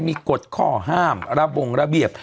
มีกฎข้อห้ามระบงระเบียบ